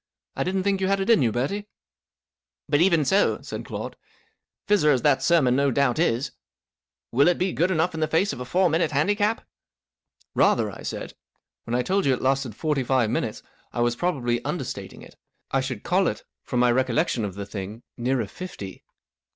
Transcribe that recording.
" I didn't think you had it in you, Bertie." " But even so," said Claude, 44 fizzer as that sermon no doubt is, will it be good enough in the face of a four minute handicap ?" 44 Rather 1 " I said. 44 When I told you Vol lxtiL—32. 485 it lasted forty five minutes, I was probably understating it. I should call it—from my recollection of the thing—nearer fifty."